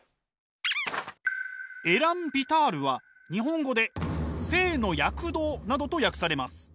エラン・ヴィタールは日本語で「生の躍動」などと訳されます。